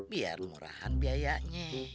biar murahan biayanya